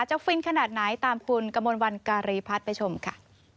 ฟินขนาดไหนตามคุณกมลวันการีพัฒน์ไปชมค่ะ